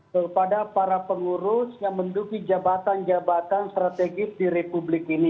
kepada para pengurus yang menduduki jabatan jabatan strategis di republik ini